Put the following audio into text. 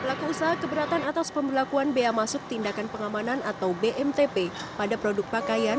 pelaku usaha keberatan atas pembelakuan bea masuk tindakan pengamanan atau bmtp pada produk pakaian